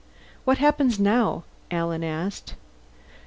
"What happens now?" Alan asked.